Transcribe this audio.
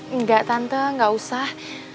enggak tante gak usah